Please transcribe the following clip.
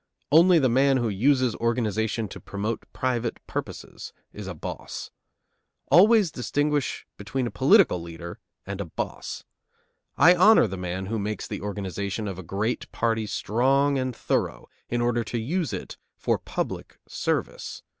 Only the man who uses organization to promote private purposes is a boss. Always distinguish between a political leader and a boss. I honor the man who makes the organization of a great party strong and thorough, in order to use it for public service.